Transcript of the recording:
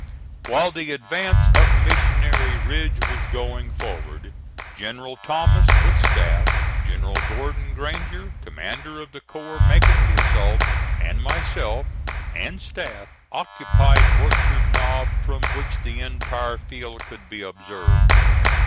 While the advance up Mission Ridge was going forward, General Thomas with staff, General Gordon Granger, commander of the corps making the assault, and myself and staff occupied Orchard Knob, from which the entire field could be observed.